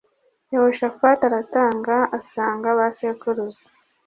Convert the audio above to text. Yehoshafati aratanga asanga ba sekuruza